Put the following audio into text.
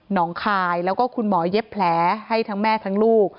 งคายแล้วก็คุณหมอเย็บแผลให้ทั้งแม่ทั้งลูก